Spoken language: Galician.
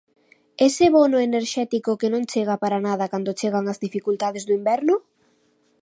¿Ese bono enerxético que non chega para nada cando chegan as dificultades do inverno?